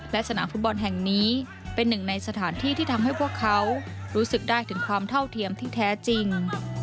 และสนามฟุตบอลแห่งนี้เป็นหนึ่งในสถานที่ที่ทำให้พวกเขารู้สึกได้ถึงความเท่าเทียมที่แท้จริง